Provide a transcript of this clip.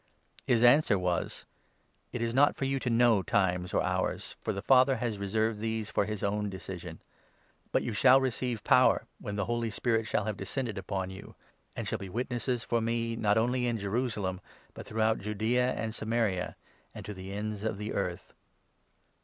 " His answer was : 7 "It is not for you to know times or hours, for the Father has reserved these for his own decision ; but you shall receive 8 power, when the Holy Spirit shall have descended upon you, and shall be witnesses for me not only in Jerusalem, but throughout Judaea and Samaria, and td the ends of the earth."